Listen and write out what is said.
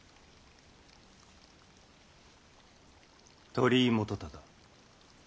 鳥居元忠。